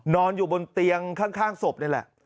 อ๋อนอนอยู่บนเตียงข้างสบนแหละ